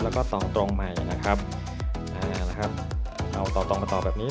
แล้วก็ต่อตรงใหม่นะครับอ่านะครับเอาต่อตรงมาต่อแบบนี้